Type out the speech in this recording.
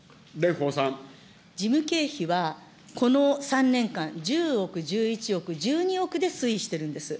事務経費はこの３年間、１０億、１１億、１２億で推移してるんです。